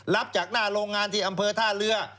รับจากหน้าโรงงานที่อำเภอท่าเรือ